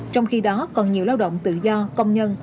trong khi đó còn nhiều lao động tự do công nhân